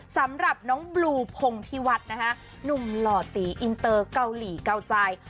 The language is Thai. สำหรับน้องบลูพงภิวัฒน์นะคะหนุ่มหล่อตีอินเตอร์เกาหลีเก่าใจ